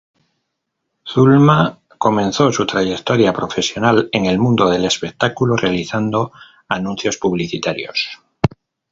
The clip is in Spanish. Zulma comenzó su trayectoria profesional en el mundo del espectáculo realizando anuncios publicitarios.